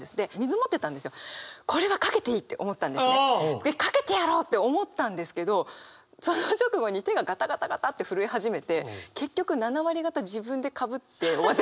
でかけてやろうって思ったんですけどその直後に手がガタガタガタって震え始めて結局７割方自分でかぶって終わってしまったんです。